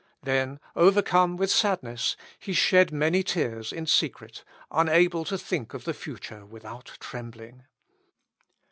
Then, overcome with sadness, he shed many tears in secret, unable to think of the future without trembling.